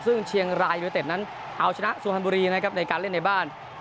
ซึ่งเชียงรายอยู่ในเต็มนั้นเอาชนะสวฮารบุรีในการเล่นในบ้าน